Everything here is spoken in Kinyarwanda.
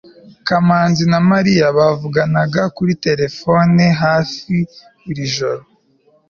kamanzi na mariya bavuganaga kuri terefone hafi buri joro